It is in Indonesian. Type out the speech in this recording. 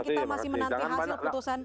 kita masih menanti hasil putusan